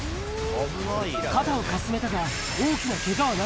肩をかすめたが、大きなけがはな